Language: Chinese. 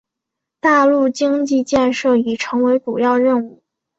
中国大陆经济建设已成为主要任务。